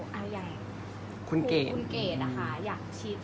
อันไหนที่มันไม่จริงแล้วอาจารย์อยากพูด